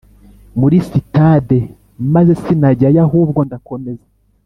muri sitade maze sinajyayo ahubwo ndakomeza